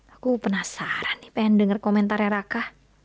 aku penasaran nih pengen dengar komentarnya raka